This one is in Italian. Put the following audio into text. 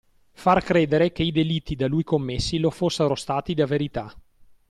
Far credere che i delitti da lui commessi lo fossero stati da Verità.